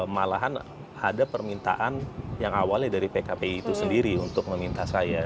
malahan ada permintaan yang awalnya dari pkpi itu sendiri untuk meminta saya